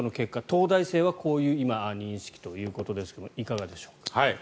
東大生はこういう今、認識ということですがいかがでしょうか。